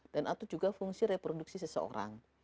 dan itu juga fungsi reproduksi seseorang